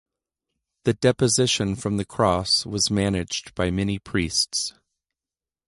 The Deposition from the Cross was managed by many priests.